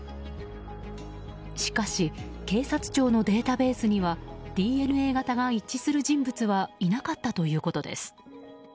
しかし警察庁のデータベースにはＤＮＡ型が一致する人物はいなかったということです。